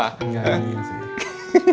enggak enggak sih